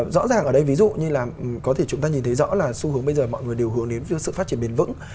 rõ ràng ở đây ví dụ như là có thể chúng ta nhìn thấy rõ là xu hướng bây giờ mọi người đều hướng đến sự phát triển bền vững